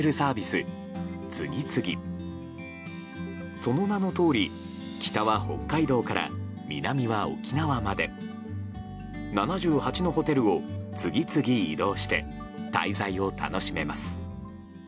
その名のとおり北は北海道から南は沖縄まで７８のホテルを次々移動して滞在を楽しめます。